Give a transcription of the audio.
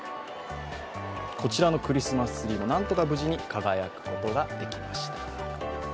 こちらのクリスマスツリーも何とか無事に輝くことができました。